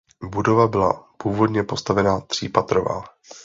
Budova byla původně postavena třípatrová.